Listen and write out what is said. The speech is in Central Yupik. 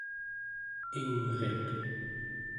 ingriq